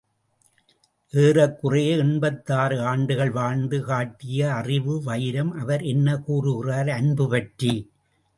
ஏறக்குறைய எண்பத்தாறு ஆண்டுகள் வாழ்ந்து காட்டிய அறிவு வைரம் அவர் என்ன கூறுகிறார் அன்பு பற்றி.